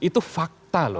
itu fakta loh